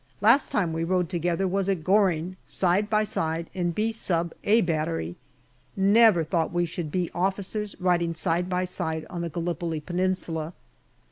Last time we rode together was at Goring, side by side in B Sub., A Battery. Never thought that we should both be officers riding side by side on the Gallipoli Peninsula.